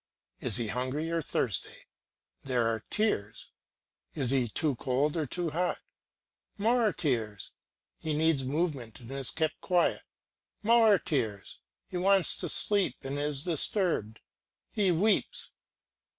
Is he hungry or thirsty? there are tears; is he too cold or too hot? more tears; he needs movement and is kept quiet, more tears; he wants to sleep and is disturbed, he weeps.